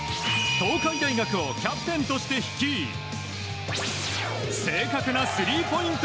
東海大学をキャプテンとして率い正確なスリーポイント